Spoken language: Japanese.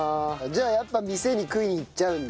じゃあやっぱ店に食いに行っちゃうんだ。